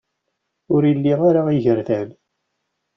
Ur ili ara igerdan.